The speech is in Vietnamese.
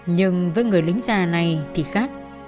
nhưng với người lính già này thì khác